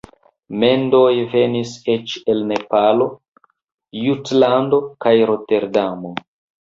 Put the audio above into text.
Mendoj venis eĉ el Napolo, Jutlando kaj Roterdamo.